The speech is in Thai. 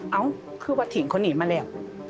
เอ้าคือว่าถิ่งคนนี้มาแล้ว